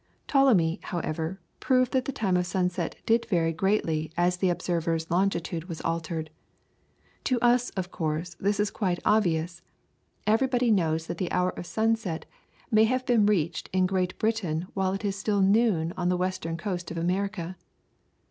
Ptolemy, however, proved that the time of sunset did vary greatly as the observer's longitude was altered. To us, of course, this is quite obvious; everybody knows that the hour of sunset may have been reached in Great Britain while it is still noon on the western coast of America.